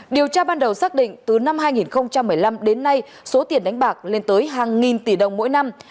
điều tra ban đầu xác định từ năm hai nghìn một mươi năm đến nay số tiền đánh bạc lên tới hàng nghìn tỷ đồng mỗi năm